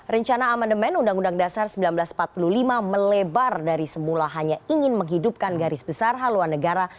rencana amandemen undang undang dasar seribu sembilan ratus empat puluh lima melebar dari semula hanya ingin menghidupkan garis besar haluan negara